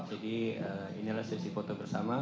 jadi inilah sesi foto bersama